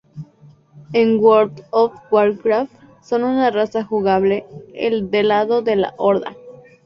En "World of Warcraft" son una raza jugable, del lado de la Horda.